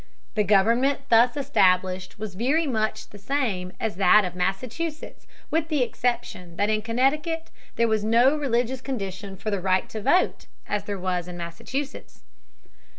The government thus established was very much the same as that of Massachusetts with the exception that in Connecticut there was no religious condition for the right to vote as there was in Massachusetts.